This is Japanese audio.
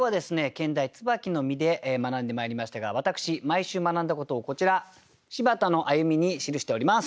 兼題「椿の実」で学んでまいりましたが私毎週学んだことをこちら「柴田の歩み」に記しております。